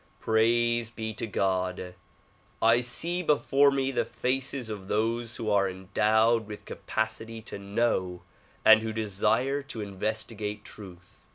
Praise be to God ! I see before me the faces of those who are endowed with capacity to know and who desire to investigate truth.